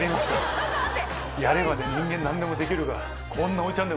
ちょっと待って。